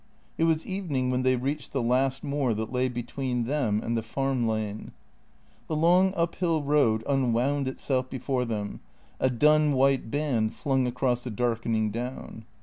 It was evening when they reached the last moor that lay between them and the farm lane. The long uphill road unwound itself before them, a dun white band flung across the darkening down.